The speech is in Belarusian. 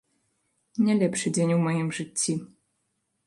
Не лепшы дзень у маім жыцці.